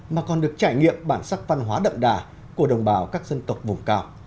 mà còn được trải nghiệm bản sắc văn hóa đậm đà của đồng bào các dân tộc vùng cao